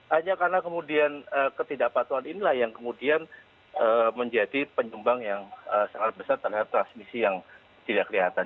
hanya karena kemudian ketidakpatuhan inilah yang kemudian menjadi penyumbang yang sangat besar terhadap transmisi yang tidak kelihatan